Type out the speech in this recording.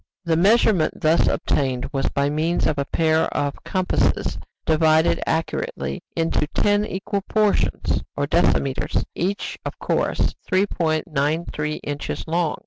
The measurement thus obtained was by means of a pair of compasses divided accurately into ten equal portions, or decimeters, each of course 3.93 inches long.